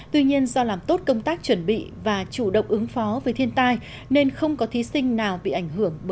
tuy nhiên do làm tốt công tác chuẩn bị và chủ động ứng phó với thiên tai nên không có thí sinh nào bị ảnh hưởng